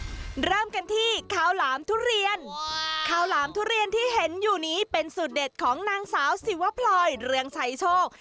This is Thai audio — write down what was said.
การรักเราเขินกันมาขี้ข้าวหลามทุเรียนข้าวหลามทุเรียนที่เห็นอยู่นี้เป็นสดเด็ดของนางสาวสิวพรอยเรื่องไฉโชค